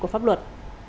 của pháp luật